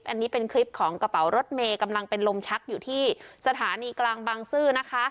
อันนี้เป็นคลิปของกระเป๋ารถเมย์กำลังเป็นลมชักอยู่ที่สถานีกลางบางซื่อนะคะ